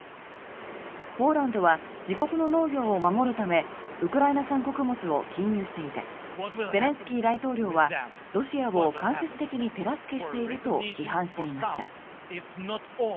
ポーランドは自国の農業を守るためウクライナ産穀物を禁輸していてゼレンスキー大統領はロシアを間接的に手助けしていると批判していました。